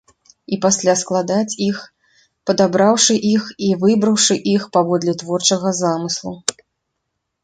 І пасля складаць іх, падабраўшы іх і выбраўшы іх паводле творчага замыслу.